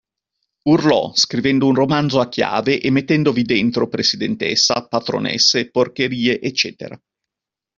Urlò, scrivendo un romanzo a chiave e mettendovi dentro presidentessa, patronesse, porcherie, eccetera.